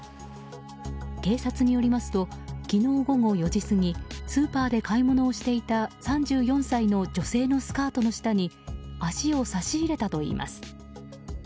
警察によりますと昨日午後４時過ぎスーパーで買い物をしていた３４歳の女性のスカートの下に足を差し入れたといいます。